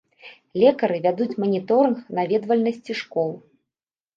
Лекары вядуць маніторынг наведвальнасці школ.